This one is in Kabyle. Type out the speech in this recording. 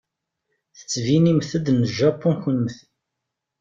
Tettbinemt-d n Japu kunemti.